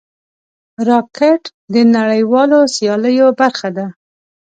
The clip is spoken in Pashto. راکټ د نړیوالو سیالیو برخه ده